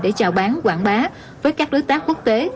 để chào bán quảng bá với các đối tác quốc tế